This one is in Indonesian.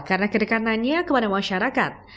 karena kedekatannya kepada masyarakat